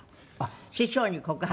師匠に告白。